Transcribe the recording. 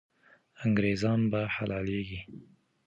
انګریزان به حلالېږي.